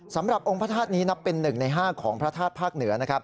สำหรับองค์พระธาตุนี้นับเป็นหนึ่งใน๕ของพระธาตุภาคเหนือ